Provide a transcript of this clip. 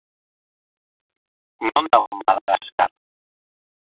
Non dago Madagaskar?